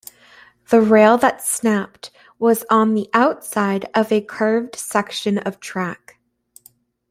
The rail that snapped was on the outside of a curved section of track.